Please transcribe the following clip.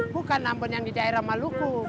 bukan ambon yang di daerah maluku